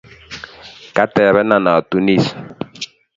Katebena atunis.